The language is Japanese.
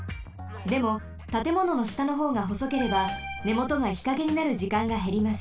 でもたてもののしたのほうがほそければねもとが日陰になるじかんがへります。